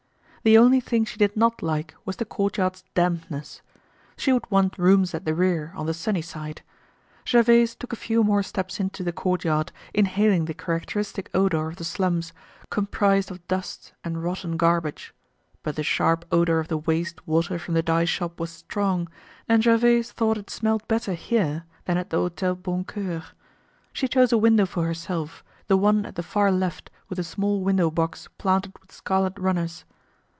The only thing she did not like was the courtyard's dampness. She would want rooms at the rear, on the sunny side. Gervaise took a few more steps into the courtyard, inhaling the characteristic odor of the slums, comprised of dust and rotten garbage. But the sharp odor of the waste water from the dye shop was strong, and Gervaise thought it smelled better here than at the Hotel Boncoeur. She chose a window for herself, the one at the far left with a small window box planted with scarlet runners.